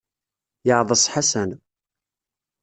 Yeɛḍes Ḥasan.